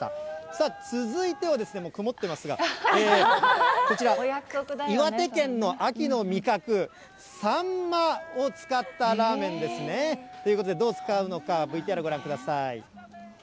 さあ、続いてはですね、曇ってますが、こちら、岩手県の秋の味覚、サンマを使ったラーメンですね。ということで、どう使うのか、ＶＴＲご覧ください。